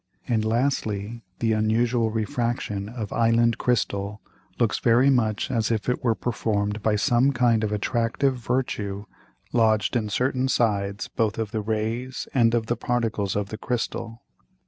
And lastly, the unusual Refraction of Island Crystal looks very much as if it were perform'd by some kind of attractive virtue lodged in certain Sides both of the Rays, and of the Particles of the Crystal.